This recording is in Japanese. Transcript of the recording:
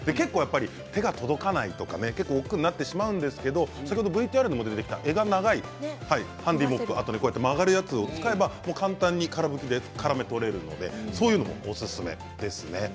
手が届かないとかおっくうになってしまうんですけど、ＶＴＲにも出てきた柄が長いハンディーモップ曲がりやすいやつを使えば簡単にから拭きでからめ捕れるのでそういうのもおすすめです。